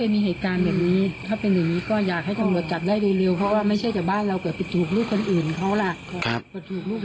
ดีนะถ้าเขามีอาวุธก็หยิบคอเด็กฆ่าเด็กตายทำยังไงจะเป็นเรื่องหรอ